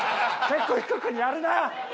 結構低くにやるな！